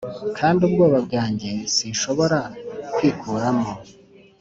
kandi ubwoba bwanjye, sinshobora kwikuramo--